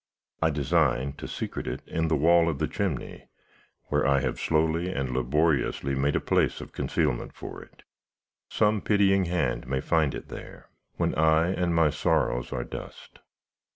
I design to secrete it in the wall of the chimney, where I have slowly and laboriously made a place of concealment for it. Some pitying hand may find it there, when I and my sorrows are dust.